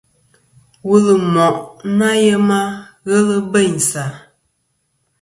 Wul ɨ moʼ ɨ nà yema, ghelɨ bêynsì a.